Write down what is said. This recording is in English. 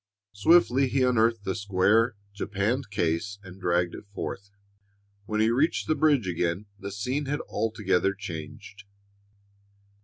Swiftly he unearthed the square, japanned case and dragged it forth. When he reached the bridge again, the scene had altogether changed.